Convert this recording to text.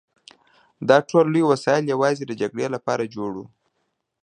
دا ټول لوی وسایل یوازې د جګړې لپاره جوړ وو